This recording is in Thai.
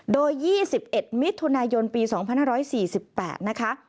โดย๒๑มิถุนายนปี๒๕๔๘นะคะ